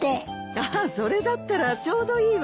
ああそれだったらちょうどいいわ。